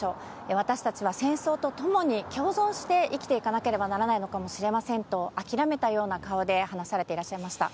私たちは戦争とともに共存して生きていかなければならないのかもしれませんと諦めたような顔で話されていらっしゃいました。